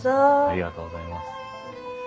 ありがとうございます。